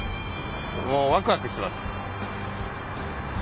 もうワクワクしてます。